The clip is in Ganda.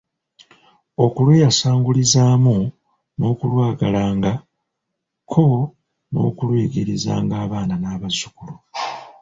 Okulweyasangulizaamu n’okulwagalanga ko n’okuluyigiriza abaana n’abazzukulu